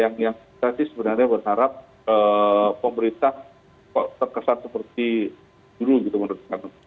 yang tadi sebenarnya bersarap pemerintah terkesan seperti dulu gitu menurut saya